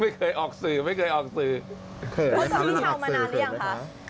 ไม่เคยออกสื่อไม่เคยออกสื่อพี่เช้ามานานหรือยังคะ